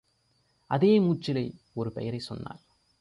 அதே மூச்சிலே, ஒரு பெயரைச் சொன்னார்.